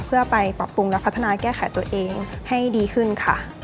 เพื่อไปปรับปรุงและพัฒนาแก้ไขตัวเองให้ดีขึ้นค่ะ